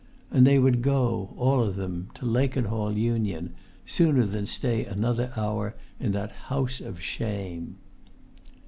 And they would go, all of them, to Lakenhall Union, sooner than stay another hour in that house of shame.